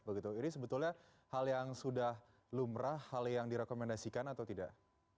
begitu ini sebetulnya hal yang sudah lumrah hal yang direkomendasikan atau tidak